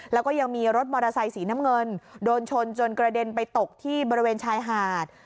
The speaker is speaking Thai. แล้วก็ยังมีรถมอเตอร์ไซสีน้ำเงินโดนชนจนกระเด็นไปตกที่บริเวณชายหาด